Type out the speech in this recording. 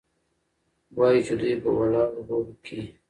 وايي چې دوى په ولاړو بولې کيې.